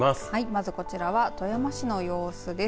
まずこちらは富山市の様子です。